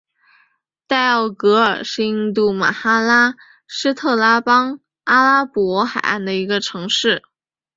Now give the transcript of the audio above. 代奥格尔是印度马哈拉施特拉邦阿拉伯海岸的一个城市。